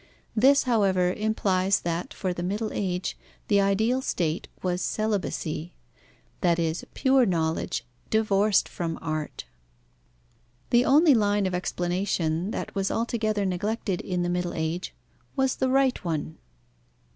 This, however, implies that for the Middle Age the ideal state was celibacy; that is, pure knowledge, divorced from art. The only line of explanation that was altogether neglected in the Middle Age was the right one.